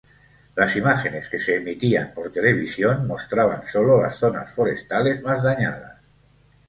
Las imágenes que se emitían por televisión mostraban solo las zonas forestales más dañadas.